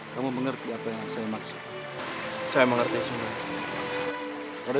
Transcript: kamu mengerti apa yang saya maksud